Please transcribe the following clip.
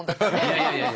いやいやいや。